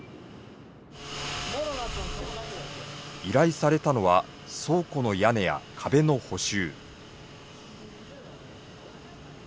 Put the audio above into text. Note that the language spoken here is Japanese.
依頼されたのは倉庫の屋根や壁の補修。